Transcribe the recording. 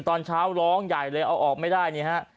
ตอนเช้าร้องใหญ่เลยเอาออกไม่ได้นี่ฮะ